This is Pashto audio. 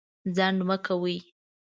ځنډ مه کوئ.